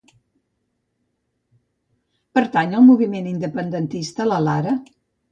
Pertanyal moviment independentista la Lara?